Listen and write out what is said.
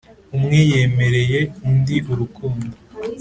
umwe yemereye undi urukundo